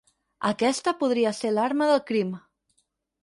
Aquesta podria ser l'arma del crim.